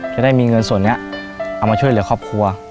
จะได้มีเงินส่วนนี้เอามาช่วยเหลือครอบครัว